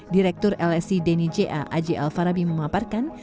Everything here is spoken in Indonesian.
direktur lsi deni ja aji alfarabi memaparkan